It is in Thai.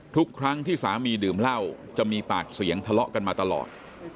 ทุกครั้งที่สามีดื่มเหล้าจะมีปากเสียงทะเลาะกันมาตลอด